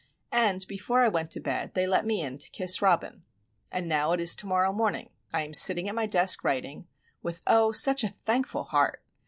And before I went to bed they let me in to kiss Robin; ... and now it is to morrow morning. I am sitting at my desk writing, with, oh, such a thankful heart!